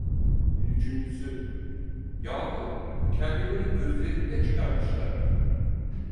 Bir üçüncüsü: "Yahu, bu kellelerin gözlerini de çıkarmışlar!"